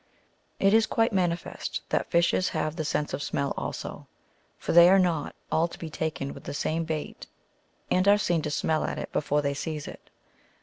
It is quite manifest that fishes have the sense of smell also ; for they are not all to be taken with the same bait, and are seen to smell at it before they seize it.